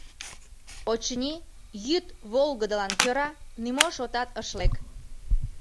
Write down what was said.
Очыни, йӱд волгыдылан кӧра нимо шотат ыш лек.